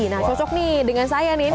nah cocok nih dengan saya nih